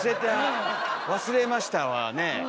忘れましたわね。